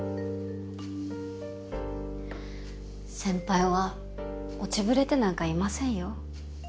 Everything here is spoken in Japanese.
先輩は落ちぶれてなんかいませんよ。